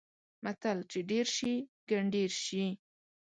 متل: چې ډېر شي؛ ګنډېر شي.